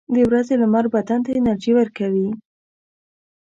• د ورځې لمر بدن ته انرژي ورکوي.